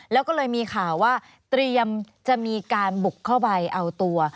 แล้วก็เลยมีข่าวว่าเตรียมจะมีการบุกเข้าไปเอาตัว